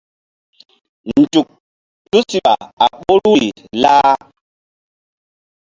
Nzuk tusiɓa a ɓoruri lah.